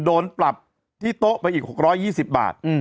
โดนปรับที่โต๊ะไปอีก๖๒๐บาท